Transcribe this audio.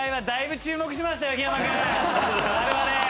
我々。